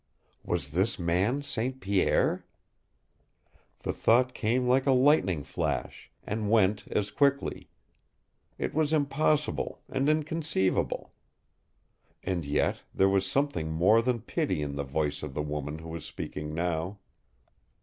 WAS THIS MAN ST. PIERRE? The thought came like a lightning flash and went as quickly; it was impossible and inconceivable. And yet there was something more than pity in the voice of the woman who was speaking now.